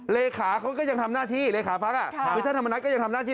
เลขาเขาก็ยังทำหน้าที่เลขาพักอ่ะค่ะคือท่านธรรมนัฐก็ยังทำหน้าที่